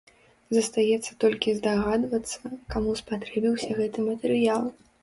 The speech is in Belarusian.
Застаецца толькі здагадвацца, каму спатрэбіўся гэты матэрыял.